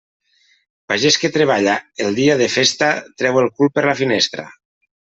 Pagès que treballa el dia de festa treu el cul per la finestra.